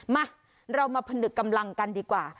มาเรามาผนึกกำลังกันดีกว่า